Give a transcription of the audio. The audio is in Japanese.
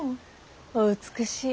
お美しい。